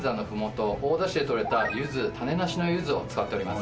大田市でとれた柚子種なしの柚子を使っております。